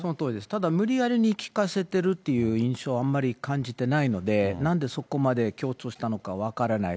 ただ、無理やりにせてるという印象はあんまり感じてないので、なんでそこまで強調したのか分からない。